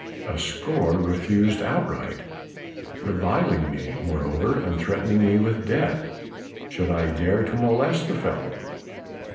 A score refused outright, reviling me moreover and threatening me with death should I dare to molest the fellow.